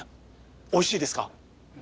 おいしいですか？